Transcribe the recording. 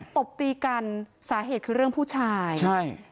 ตบตีกันสาเหตุคือเรื่องผู้ชายใช่